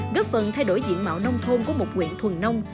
góp phần thay đổi diện mạo nông thôn của một quyện thuần nông